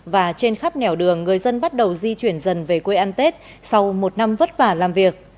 và trên khắp nẻo đường người dân bắt đầu di chuyển dần về quê ăn tết sau một năm vất vả làm việc